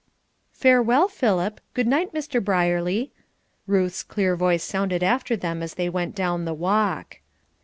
"Farewell Philip. Good night Mr. Brierly," Ruth's clear voice sounded after them as they went down the walk.